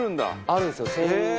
あるんですよ。